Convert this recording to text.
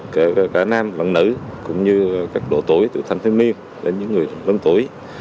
kể cả nam bạn nữ cũng như các độ tuổi từ thành thiên niên đến những người lớn tuổi